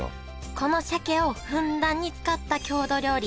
この鮭をふんだんに使った郷土料理